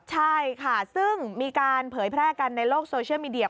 ใช่ค่ะซึ่งมีการเผยแพร่กันในโลกโซเชียลมีเดีย